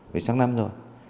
vậy sáng năm rồi